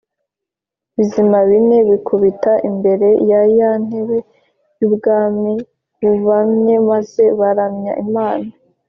Bizima bine bikubita imbere ya ya ntebe y ubwami bubamye maze baramya imana